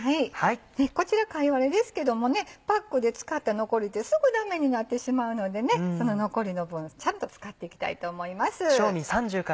こちら貝割れですけどもパックで使った残りってすぐダメになってしまうのでその残りの分ちゃんと使っていきたいと思います。